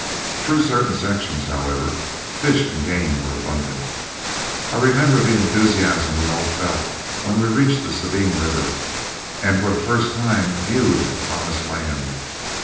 Through certain sections, however, fish and game were abundant. I remember the enthusiasm we all felt when we reached the Sabine River, and for the first time viewed the promised land.